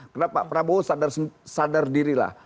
karena pak prabowo sadar diri